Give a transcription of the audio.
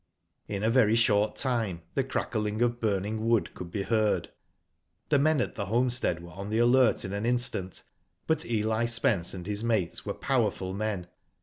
In a very short time the crackling of burning wood could be heard. The men at the homestead were on the alert in an instant, but EH Spence and his mates were powerful men.